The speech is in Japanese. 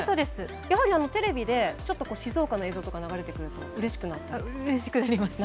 やはりテレビで静岡の映像とか流れてくるとうれしくなったりしますか。